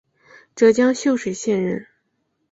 浙江秀水县人。